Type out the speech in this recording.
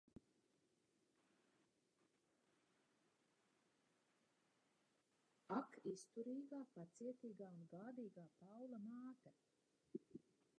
Ak labā, izturīga, pacietīga un gādīgā Paula māte!